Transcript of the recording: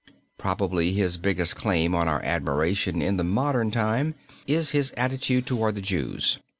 Probably his greatest claim on our admiration in the modern time is his attitude toward the Jews.